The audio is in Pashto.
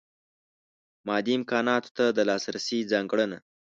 مادي امکاناتو ته د لاسرسۍ ځانګړنه.